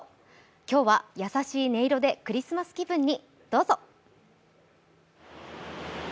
今日は優しい音色でクリスマス気分に。